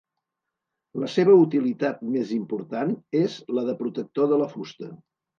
La seva utilitat més important és la de protector de la fusta.